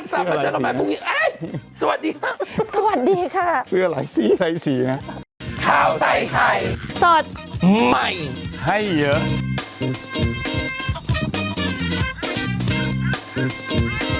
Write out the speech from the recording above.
หมดเวลาแล้วสวัสดีค่ะ